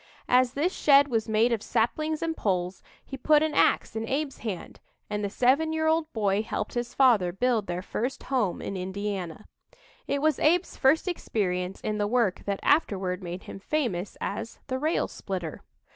As this shed was made of saplings and poles, he put an ax in Abe's hands, and the seven year old boy helped his father build their first "home" in Indiana. It was Abe's first experience in the work that afterward made him famous as "the rail splitter."